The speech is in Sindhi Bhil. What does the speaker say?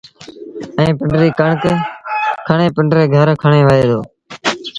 ائيٚݩ پنڊريٚ ڪڻڪ کڻي پنڊري گھر کڻيوهي دو